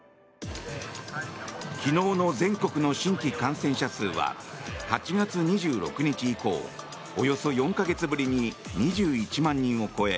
昨日の全国の新規感染者数は８月２６日以降およそ４か月ぶりに２１万人を超え